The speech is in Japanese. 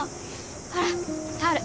ほらタオル。